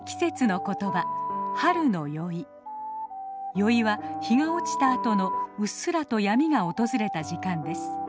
宵は日が落ちたあとのうっすらと闇が訪れた時間です。